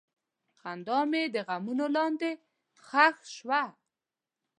خندا مې د غمونو لاندې ښخ شوه.